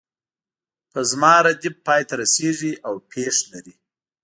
په زما ردیف پای ته رسیږي او پیښ لري.